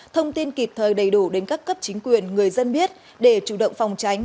thông tin kịp thời đầy đủ đến các cấp chính quyền người dân biết để chủ động phòng tránh